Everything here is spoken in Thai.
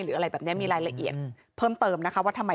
อะไรแบบนี้มีรายละเอียดเพิ่มเติมนะคะว่าทำไม